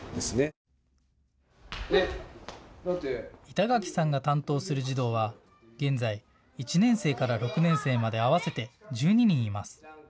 板垣さんが担当する児童は現在、１年生から６年生まで合わせて１２人います。